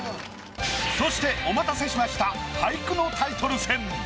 そしてお待たせしました俳句のタイトル戦。